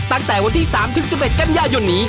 ตั้งแต่วันที่๓๑๑กันยายนนี้